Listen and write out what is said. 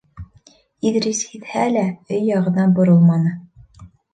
Иҙрис һиҙһә лә, өй яғына боролманы.